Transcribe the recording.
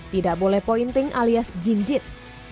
tidak boleh pointing alias jinjit